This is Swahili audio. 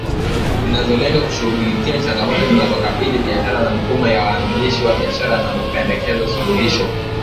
Zinazolenga kushughulikia changamoto zinazokabili biashara na mifumo ya waanzilishi wa biashara na kupendekeza suluhisho.